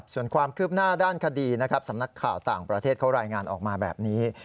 ส่วนความคืบหน้าด้านคดีนะครับสำนักข่าวต่างประเทศเขารายงานออกมาแบบนี้